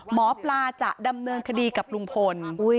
หมอปลาจะดำเนินคดีกับลุงพล